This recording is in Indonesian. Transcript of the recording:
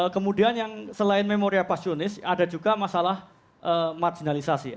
kemudian yang selain memoria passionis ada juga masalah marginalisasi